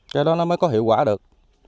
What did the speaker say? cho đó nó mới có hiệu quả được